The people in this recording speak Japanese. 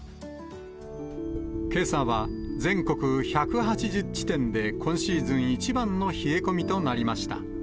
けさは全国１８０地点で今シーズン一番の冷え込みとなりました。